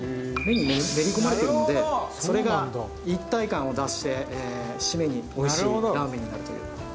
麺に練り込まれてるのでそれが一体感を出してシメにおいしいラーメンになるという。